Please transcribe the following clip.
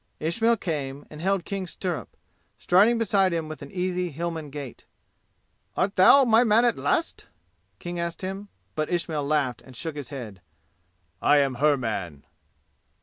Ismail came and held King's stirrup, striding beside him with the easy Hillman gait. "Art thou my man at last?" King asked him, but Ismail laughed and shook his head. "I am her man."